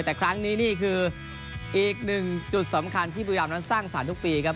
แต่ครั้งนี้นี่คืออีกหนึ่งจุดสำคัญที่บุรีรำนั้นสร้างสรรค์ทุกปีครับ